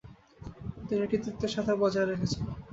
তিনি কৃতিত্বের সাথে বজায় রেখেছেন।